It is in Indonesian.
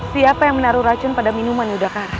siapa yang menaruh racun pada minuman yudhakara